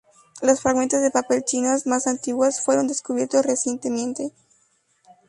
Los fragmentos de papel chinos más antiguos se han descubierto recientemente.